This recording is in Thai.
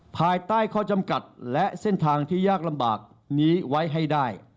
ภายใต้ข้อจำกัดและเส้นทางที่ยากลำบากนี้ไว้ให้ได้